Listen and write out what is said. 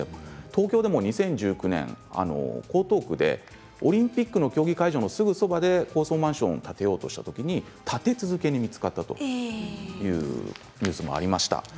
東京でも２０１９年江東区でオリンピックの競技会場のすぐそばで高層マンションを建てようとしたときに立て続けに見つかったというニュースもありました。